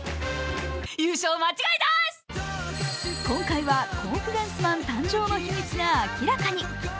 今回はコンフィデンスマン誕生の秘密が明らかに。